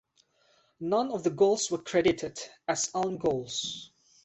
None of the goals were credited as own goals.